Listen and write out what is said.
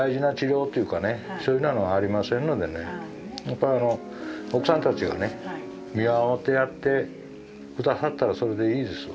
やっぱり奥さんたちが見守ってやって下さったらそれでいいですわ。